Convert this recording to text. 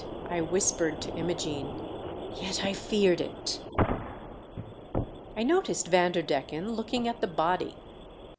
I whispered to Imogene ; "yet I feared it !" I noticed Vanderdecken looklnQf at the body.